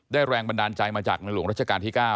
แรงบันดาลใจมาจากในหลวงรัชกาลที่๙